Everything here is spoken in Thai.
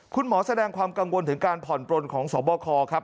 แสดงความกังวลถึงการผ่อนปลนของสบคครับ